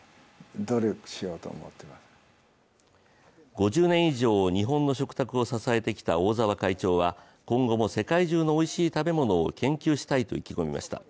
５０年以上、日本の食卓を支えてきた大沢会長は今後も世界中のおいしい食べ物を研究したいと意気込みました。